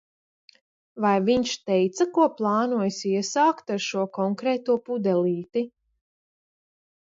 Vai viņš teica, ko plānojis iesākt ar šo konkrēto pudelīti?